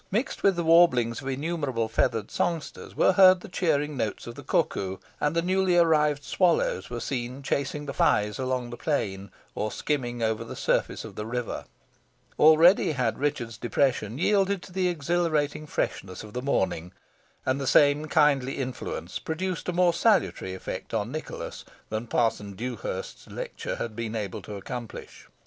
Mixed with the warblings of innumerable feathered songsters were heard the cheering notes of the cuckoo; and the newly arrived swallows were seen chasing the flies along the plain, or skimming over the surface of the river. Already had Richard's depression yielded to the exhilarating freshness of the morning, and the same kindly influence produced a more salutary effect on Nicholas than Parson Dewhurst's lecture had been able to accomplish.